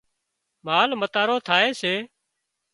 مال متارو ٿائي سي